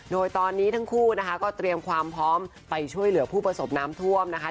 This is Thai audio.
โดยตอนนี้ทั้งคู่นะคะก็เตรียมความพร้อมไปช่วยเหลือผู้ประสบน้ำท่วมนะคะ